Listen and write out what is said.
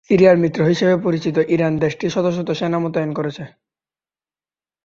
সিরিয়ার মিত্র হিসেবে পরিচিত ইরান দেশটিতে শত শত সেনা মোতায়েন করেছে।